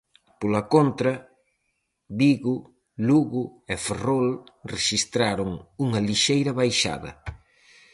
Pola contra, Vigo, Lugo e Ferrol rexistraron unha lixeira baixada.